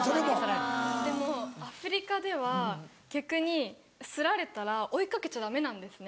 でもアフリカでは逆にすられたら追いかけちゃダメなんですね。